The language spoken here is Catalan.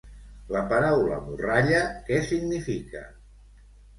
La paraula morralla, què significa?